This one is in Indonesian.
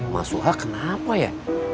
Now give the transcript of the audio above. mas suha kenapa ya